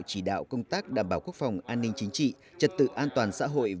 chỉ đạo công tác đảm bảo quốc phòng an ninh chính trị trật tự an toàn xã hội